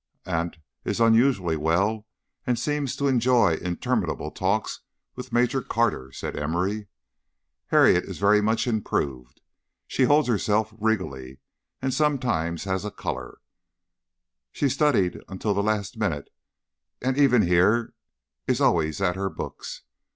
"Aunt is unusually well and seems to enjoy interminable talks with Major Carter," said Emory. "Harriet is very much improved; she holds herself regally and sometimes has a colour. She studied until the last minute, and even here is always at her books.